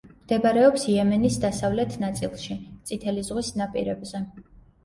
მდებარეობს იემენის დასავლეთ ნაწილში, წითელი ზღვის ნაპირებზე.